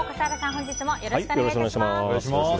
本日もよろしくお願い致します。